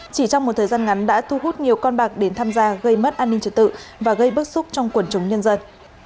chỉ trong một thời gian ngắn đã thu hút nhiều con bạc đến tham gia gây mất an ninh trật tự và gây bức xúc trong quần chúng nhân dân